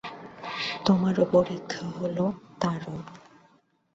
তোমারও পরীক্ষা হল, তারও।